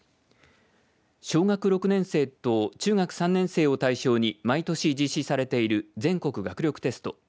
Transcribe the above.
小学６年生と中学３年生を対象に毎年、実施されている全国学力テスト。